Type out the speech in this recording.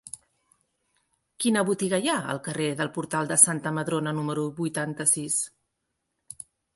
Quina botiga hi ha al carrer del Portal de Santa Madrona número vuitanta-sis?